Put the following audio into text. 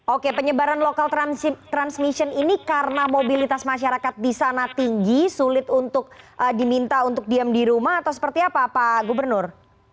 oke penyebaran lokal transmission ini karena mobilitas masyarakat di sana tinggi sulit untuk diminta untuk diam di rumah atau seperti apa pak gubernur